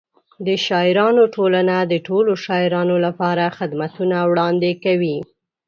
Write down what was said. د شاعرانو ټولنه د ټولو شاعرانو لپاره خدمتونه وړاندې کوي.